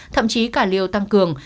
thậm chí cả liều tăng cường